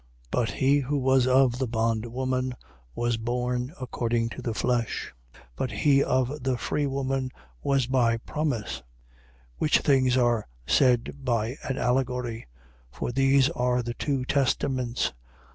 4:23. But he who was of the bondwoman was born according to the flesh: but he of the free woman was by promise. 4:24. Which things are said by an allegory. For these are the two testaments.